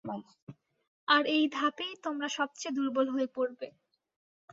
আর এই ধাপেই তোমরা সবচেয়ে দুর্বল হয়ে পড়বে।